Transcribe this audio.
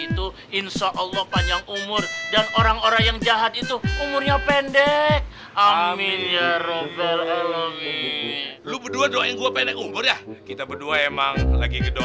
itu insya allah panjang umur dan orang orang yang jahat itu umurnya pendek a stolen obel